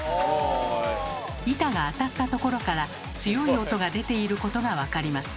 板があたったところから強い音が出ていることが分かります。